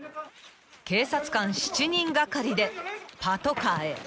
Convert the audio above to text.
［警察官７人がかりでパトカーへ］